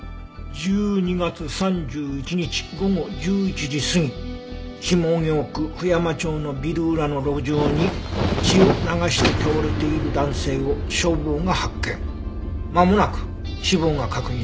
「１２月３１日午後１１時過ぎ「下京区布山町のビル裏の路上に血を流して倒れている男性を消防が発見まもなく死亡が確認された」